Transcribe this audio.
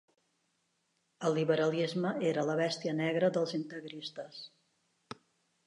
El liberalisme era la bèstia negra dels integristes.